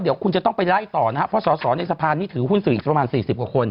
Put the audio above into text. เดี๋ยวคุณจะต้องไปไล่ต่อนะครับเพราะสอสอในสะพานนี้ถือหุ้นสื่ออีกประมาณ๔๐กว่าคน